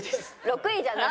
６位じゃない！